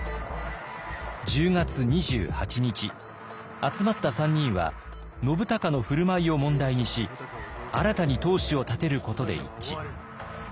集まった３人は信孝の振る舞いを問題にし新たに当主を立てることで一致。